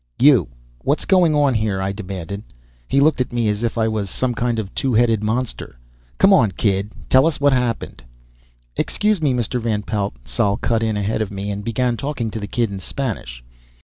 "You. What's going on here?" I demanded. He looked at me as if I was some kind of a two headed monster. "Come on, kid. Tell us what happened." "Excuse me, Mr. Van Pelt." Sol cut in ahead of me and began talking to the kid in Spanish.